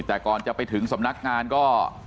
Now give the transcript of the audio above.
แต่ก่อนจะไปถึงสำนักงานก็